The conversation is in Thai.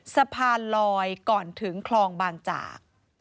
สะพานลอยก่อนถึงคลองบางจาก